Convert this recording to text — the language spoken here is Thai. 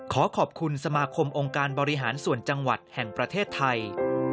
ขอขอบคุณสมาคมองค์การบริหารส่วนจังหวัดแห่งประเทศไทย